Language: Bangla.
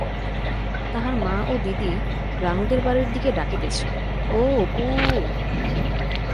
তাহার মা ও দিদি রানুদের বাড়ির দিকে ডাকিতেছে-ও অপু-উ-উ!